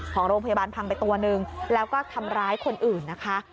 ของโรงพยาบาลพังไปตัวหนึ่งแล้วก็ทำร้ายคนอื่นนะคะ